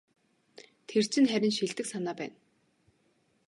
Энэ чинь харин шилдэг санаа байна.